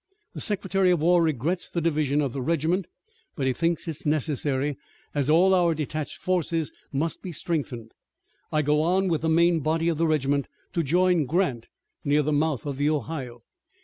The Secretary of War regrets the division of the regiment, but he thinks it necessary, as all our detached forces must be strengthened. I go on with the main body of the regiment to join Grant, near the mouth of the Ohio.